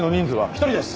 １人です。